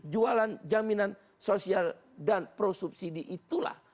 jualan jaminan sosial dan prosubsidi itulah